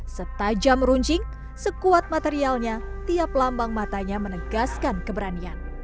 setajam runcing sekuat materialnya tiap lambang matanya menegaskan keberanian